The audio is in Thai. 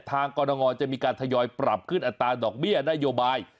กรณงจะมีการทยอยปรับขึ้นอัตราดอกเบี้ยนโยบาย